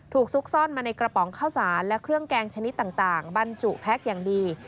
ซุกซ่อนมาในกระป๋องข้าวสารและเครื่องแกงชนิดต่างบรรจุแพ็คอย่างดี